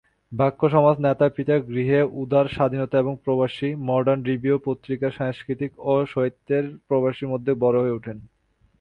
ব্রাহ্মসমাজ-নেতা পিতার গৃহে উদার স্বাধীনতা এবং 'প্রবাসী' ও 'মডার্ন রিভিউ' পত্রিকার সাংস্কৃতিক ও সাহিত্যিক পরিবেশের মধ্যে বড়ো হয়ে ওঠেন।